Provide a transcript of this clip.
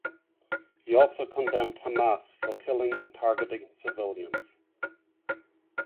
He also condemned Hamas for killing and targeting civilians.